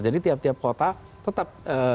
jadi tiap tiap kota tetap